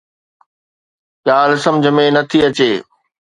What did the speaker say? ڳالهه سمجهه ۾ نٿي اچي